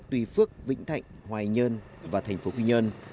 tuy phước vĩnh thạnh hoài nhơn và thành phố quy nhơn